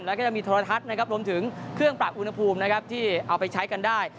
และมีโทรทัศน์รวมถึงเครื่องปรากอุณหภูมิที่เอาไปใช้กันได้